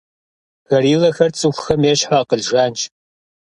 Гориллэхэр цӏыхухэм ещхьу акъыл жанщ.